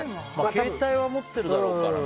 携帯は持ってるだろうからね。